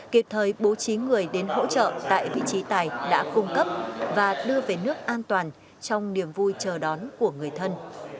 kịp thời bố trí người đến hỗ trợ tại vị trí tài đã cung cấp và đưa về nước an toàn trong niềm vui chờ đón của người thân